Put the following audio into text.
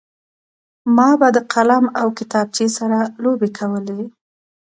ما به د قلم او کتابچې سره لوبې کولې